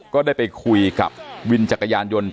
ก็ได้ไปคุยกับวินจักรยานยนต์